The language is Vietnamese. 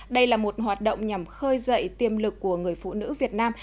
đây là một hoạt động nhằm khơi dậy tiềm lực của người phụ nữ việt nam